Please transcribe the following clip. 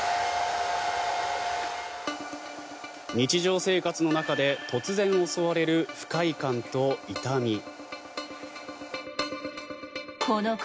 日常生活の中で突然襲われる不快感と痛み。